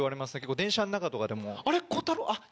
電車の中とかでも。